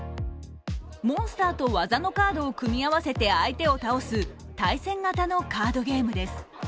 モンスターと技のカードを組み合わせて相手を倒す対戦型のカードゲームです。